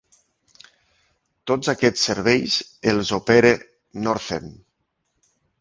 Tots aquests serveis els opera Northern.